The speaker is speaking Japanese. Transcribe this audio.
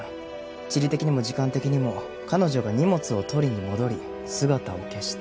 地理的にも時間的にも彼女が荷物を取りに戻り姿を消した。